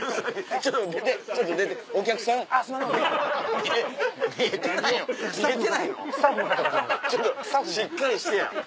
ちょっとしっかりしてや。